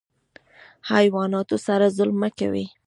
حیواناتو سره ظلم مه کوئ